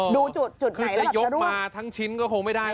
ดูจุดไหนคือจะยกมาทั้งชิ้นก็คงไม่ได้